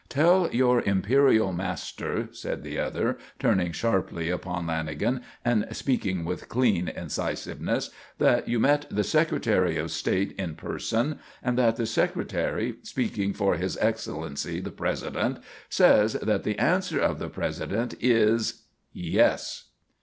"Tell your Imperial Master," said the other, turning sharply upon Lanagan and speaking with clean incisiveness, "that you met the Secretary of State in person, and that the Secretary, speaking for his excellency the President, says, that the answer of the President is yes."